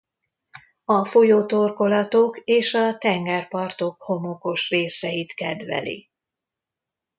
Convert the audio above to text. A folyótorkolatok és a tenger partok homokos részeit kedveli.